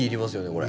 これ。